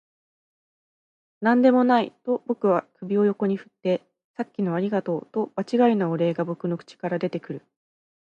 「何でもない」と僕は首を横に振って、「さっきのありがとう」と場違いなお礼が僕の口から出てくる